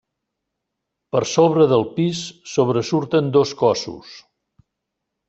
Per sobre del pis sobresurten dos cossos.